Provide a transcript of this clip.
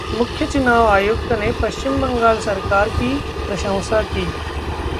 मुख्य चुनाव आयुक्त ने प. बंगाल सरकार की प्रशंसा की